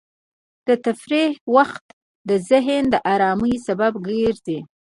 د تفریح وخت د ذهني ارامۍ سبب ګرځي.